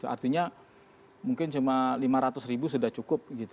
artinya mungkin cuma lima ratus ribu sudah cukup gitu